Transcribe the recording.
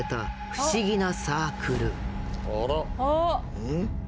うん？